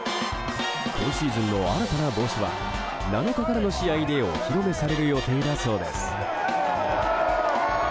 今シーズンの新たな帽子は７日からの試合でお披露目される予定だそうです。